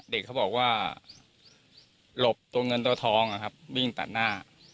เด็กเขาบอกว่าหลบตัวเงินตัวทองนะครับวิ่งตัดหน้า